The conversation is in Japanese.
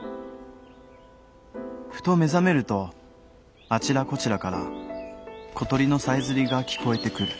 ふと目ざめるとあちらこちらから小鳥のさえずりが聞こえてくる。